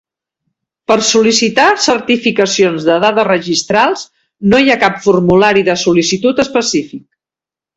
Per sol·licitar certificacions de dades registrals no hi ha cap formulari de sol·licitud específic.